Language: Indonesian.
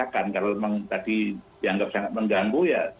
kalau tadi dianggap sangat mengganggu